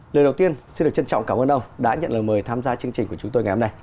lời đầu tiên xin được trân trọng cảm ơn ông đã nhận lời mời tham gia chương trình của chúng tôi ngày hôm nay